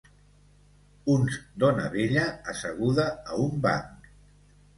Uns dona vella asseguda a un banc.